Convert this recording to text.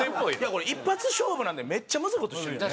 これ一発勝負なんでめっちゃむずい事してるよね。